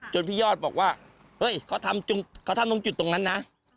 พี่ยอดบอกว่าเฮ้ยเขาทำตรงจุดตรงนั้นนะ